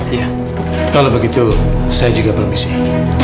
iya kalau begitu saya juga pamit sih